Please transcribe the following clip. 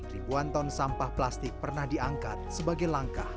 ribuan ton sampah plastik pernah diangkat sebagai langkah